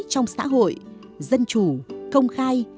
trong xã hội dân chủ công khai